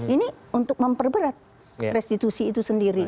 ini untuk memperberat restitusi itu sendiri